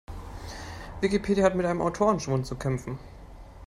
Wikipedia hat mit einem Autorenschwund zu kämpfen.